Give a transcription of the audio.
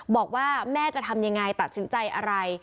บอกว่าแม่จะทำยังไงตัดสินใจอะไร